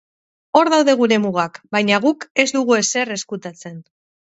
Hor daude gure mugak, baina guk ez dugu ezer ezkutatzen.